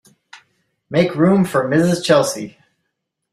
Make room for Mrs. Chelsea.